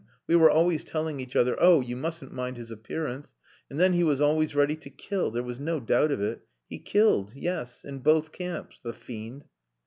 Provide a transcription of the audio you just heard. We were always telling each other, 'Oh! you mustn't mind his appearance.' And then he was always ready to kill. There was no doubt of it. He killed yes! in both camps. The fiend...."